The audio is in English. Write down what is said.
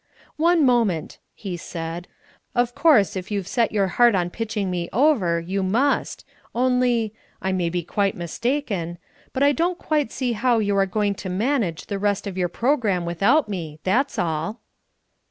"One moment," he said. "Of course, if you've set your heart on pitching me over, you must. Only I may be quite mistaken but I don't quite see how you are going to manage the rest of your programme without me, that's all."